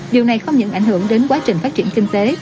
điều này không những ảnh hưởng đến quá trình phát triển kinh tế